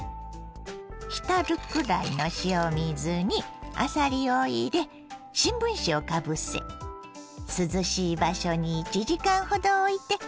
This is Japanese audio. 浸るくらいの塩水にあさりを入れ新聞紙をかぶせ涼しい場所に１時間ほどおいて砂抜きをします。